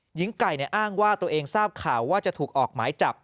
หญิงไก่อ้างว่าตัวเองทราบข่าวว่าจะถูกออกหมายจับ